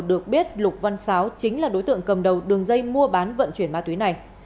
được biết lục văn sáo chính là đối tượng cầm đầu đường dây mua bán vận chuyển ma túy này